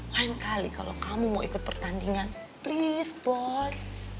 lain kali kalau kamu mau ikut pertandingan please sport